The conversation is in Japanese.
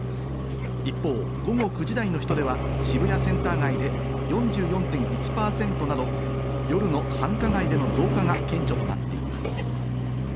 一方、午後９時台の人出は渋谷センター街で４４．１％など、夜の繁華街での増加が顕著となっています。